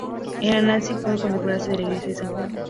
En La Nava puede contemplarse la iglesia de San Juan.